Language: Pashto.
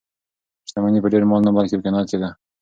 شتمني په ډېر مال نه بلکې په قناعت کې ده.